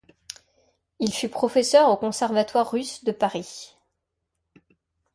Il fut professeur au Conservatoire russe de Paris.